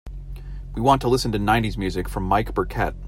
We want to listen to nineties music from mike burkett.